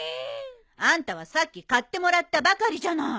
あんたはさっき買ってもらったばかりじゃない。